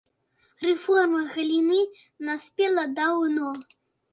Рэформа галіны наспела даўно.